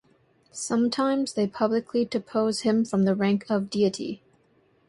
Sometimes they publicly depose him from the rank of deity.